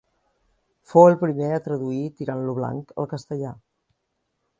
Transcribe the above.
Fou el primer a traduir Tirant lo Blanc al castellà.